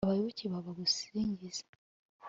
abayoboke bawe bagusingize